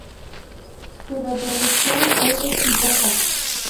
Su reproducción es exitosa.